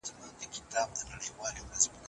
که تجربه نه وي نظریه ارزښت نلري.